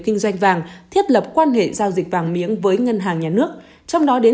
kinh doanh vàng thiết lập quan hệ giao dịch vàng miếng với ngân hàng nhà nước trong đó đến